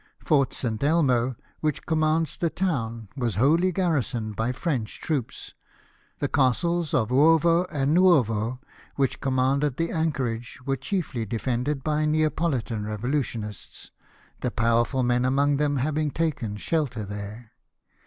Fort St. Elmo, which commands the town, was wholly garrisoned by French troops; the Castles of Uovo and Nuovo, which commanded the anchorage, were chiefly defended by Neapolitan revo lutionists, the powerful men among them having taken shelter there.